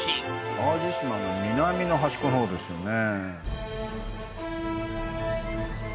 淡路島の南の端っこのほうですよね